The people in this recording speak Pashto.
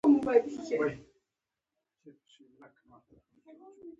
چای د ادب ملګرتیا ده